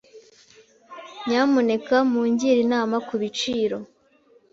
Nyamuneka mungire inama kubiciro.